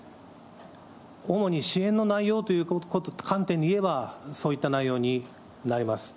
主に支援の内容という観点で言えば、そういった内容になります。